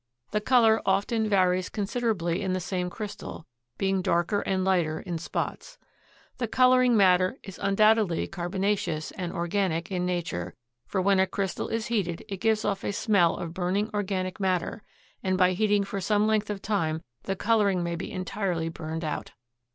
The color often varies considerably in the same crystal, being darker and lighter in spots. The coloring matter is undoubtedly carbonaceous and organic in nature, for when a crystal is heated it gives off a smell of burning organic matter, and by heating for some length of time the coloring may be entirely burned out.